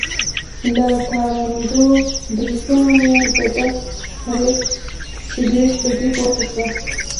له تاندو برېتونو یې د ډک سګرټ لوګی پور ته شو.